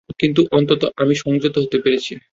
কিন্তু অন্তত আমি সংযত হতে পেরেছি।